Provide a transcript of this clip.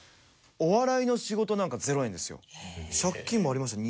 お笑いの仕事なんか０円ですよ。